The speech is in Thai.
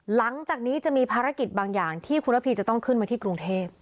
หลังจากนี้จะมีภารกิจบางอย่างที่คุณระพีจะต้องขึ้นมาที่กรุงเทพ